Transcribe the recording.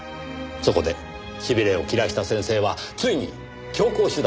そこでしびれを切らした先生はついに強硬手段に出た。